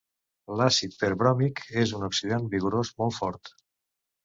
L'àcid perbròmic és un oxidant vigorós molt fort.